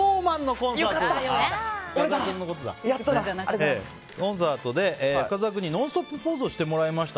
コンサートで深澤君に「ノンストップ！」ポーズをしてもらいました。